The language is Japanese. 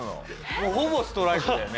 もうほぼストライクだよね。